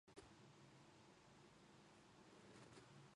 ただ、彼の意志の強さだけは隊員達は理解した